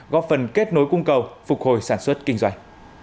góp phần kết nối cung cầu phục hồi sản xuất kinh doanh